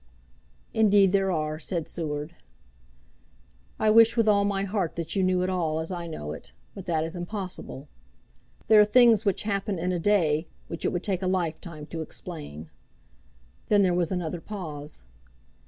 "Indeed there are," said Seward. "I wish with all my heart that you knew it all as I know it; but that is impossible. There are things which happen in a day which it would take a lifetime to explain." Then there was another pause.